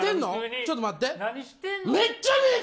ちょっと待って。